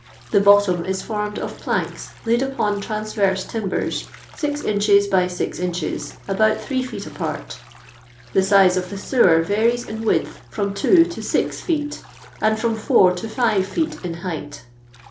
The bottom ia formed of planks laid upon transverse timben, 6 inches by 6 inches, about 3 feet apart The aiae of the lewer varies in width frnm 2 to 6 feet, and from 4 to 5 feet in height.